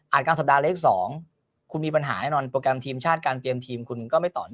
กลางสัปดาห์เล็ก๒คุณมีปัญหาแน่นอนโปรแกรมทีมชาติการเตรียมทีมคุณก็ไม่ต่อเนื่อง